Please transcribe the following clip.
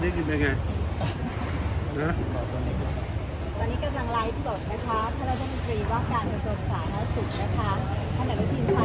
ตอนนี้กำลังไลฟ์สดนะคะถ้าท่านรู้จักดีกว่าการส่งสามารถสุดนะคะ